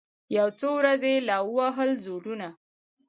یو څو ورځي یې لا ووهل زورونه